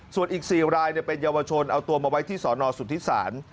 ส่วนอีก๔รายเป็นเยาวชนเอาตัวมาไว้ที่สอนอสุทธิศาล